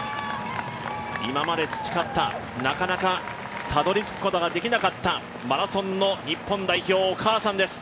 今まで培った、なかなかたどりつくことができなかったマラソンの日本代表お母さんです。